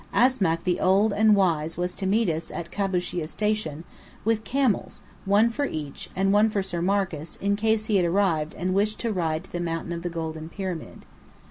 Asmack the old and wise was to meet us at Kabushîa Station, with camels, one for each, and one for Sir Marcus, in case he had arrived and wished to ride to the Mountain of the Golden Pyramid.